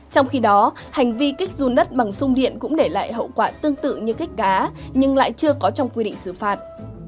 trong khi đó hành vi kích run đất bằng sung điện cũng để lại hậu quả tương tự như kích cá nhưng lại chưa có trong quy định xử phạt